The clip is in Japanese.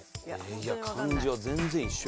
いや感じは全然一緒やわ。